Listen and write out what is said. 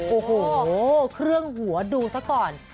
โอ้โหเครื่องหัวดูซะก่อน